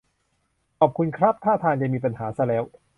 ขอบคุณครับ ท่าทางจะมีปัญหาซะแล้ว